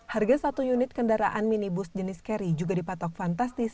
harga satu unit kendaraan minibus jenis carry juga dipatok fantastis